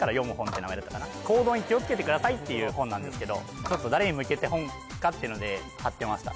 行動に気をつけてくださいっていう本なんですけど誰に向けた本かっていうので張ってました